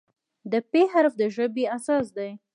د "پ" حرف د ژبې اساس دی.